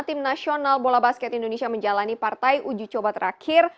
tim nasional bola basket indonesia menjalani partai uji coba terakhir